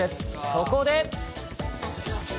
そこで。